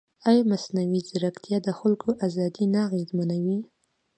ایا مصنوعي ځیرکتیا د خلکو ازادي نه اغېزمنوي؟